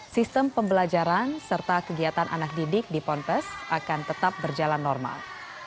sistem pembelajaran serta kegiatan anak didik di ponpes akan tetap berjalan normal